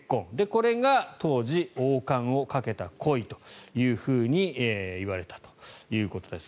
これが当時王冠をかけた恋というふうに言われたということです。